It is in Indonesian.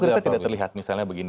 sudah tidak terlihat misalnya begini